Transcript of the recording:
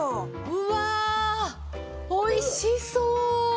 うわおいしそう！